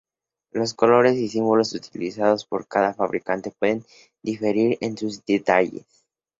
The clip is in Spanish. Los colores y símbolos utilizados por cada fabricante pueden diferir en sus detalles.